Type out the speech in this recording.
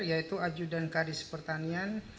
yaitu ajudan kadis pertanian